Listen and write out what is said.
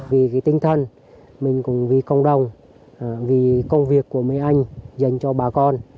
vì tinh thần mình cũng vì công đồng vì công việc của mấy anh dành cho bà con